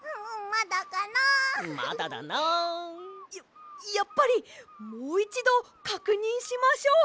まだだな。ややっぱりもういちどかくにんしましょう！